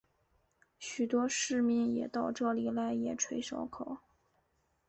许多市民也到这里来野炊烧烤。